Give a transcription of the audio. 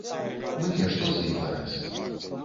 Мне што за інтарэс?